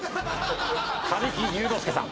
神木隆之介さん。